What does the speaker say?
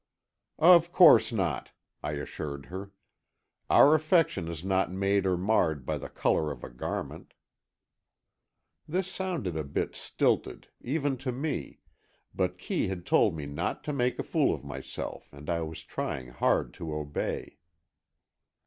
"Of course not," I assured her. "Our affection is not made or marred by the colour of a garment." This sounded a bit stilted, even to me, but Kee had told me not to make a fool of myself and I was trying hard to obey.